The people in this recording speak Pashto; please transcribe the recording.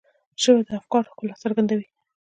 ژبه د افکارو ښکلا څرګندوي